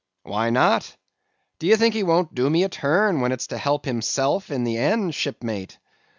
"'Why not? Do you think he won't do me a turn, when it's to help himself in the end, shipmate?